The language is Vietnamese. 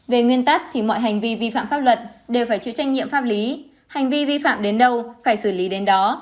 về nguyên tắc thì mọi hành vi vi phạm pháp luật đều phải chịu trách nhiệm pháp lý hành vi vi phạm đến đâu phải xử lý đến đó